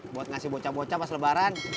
buat ngasih bocah bocah pas lebaran